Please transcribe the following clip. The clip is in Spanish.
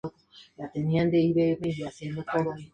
Esto produce turbulencias en el combustible y un golpeo audible.